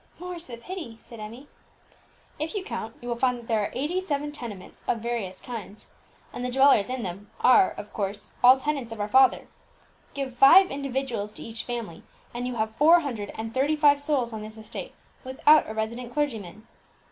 "More's the pity!" said Emmie. "If you count, you will find that there are eighty seven tenements of various kinds, and the dwellers in them are, of course, all tenants of our father. Give five individuals to each family, and you have four hundred and thirty five souls on this estate, without a resident clergyman."